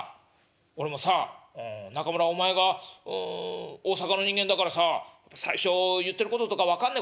俺もさ中村お前がう大阪の人間だからさ最初言ってることとか分かんないことあったもん」。